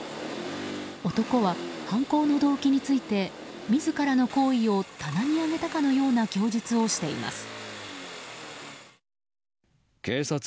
男は犯行の動機について自らの行為を棚に上げたかのような供述をしています。